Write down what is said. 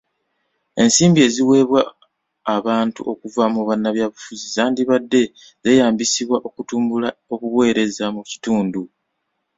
Ensimbi eziweebbwa abantu okuva mu bannabyabufuzi zandibadde zeeyambisibwa okutumbula obuweereza mu kitundu.